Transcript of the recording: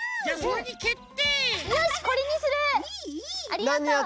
ありがとう。